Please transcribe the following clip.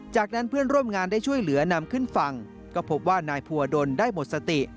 จากนั้นเพื่อนร่วมงานได้ช่วยเหลือนำขึ้นฝั่งก็พบว่านายภูวดลได้หมดสติ